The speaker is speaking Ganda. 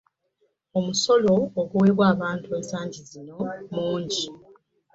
omusolo oguweebwa abantu ensagi zino mungi.